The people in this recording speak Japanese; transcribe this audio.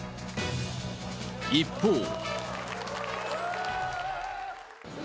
一方。